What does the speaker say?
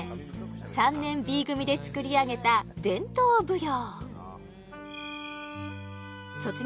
３年Ｂ組で作り上げた「伝統舞踊」